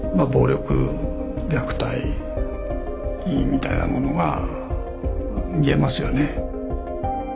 みたいなものが見えますよね。